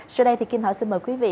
sau đây thì kim thảo xin mời quý vị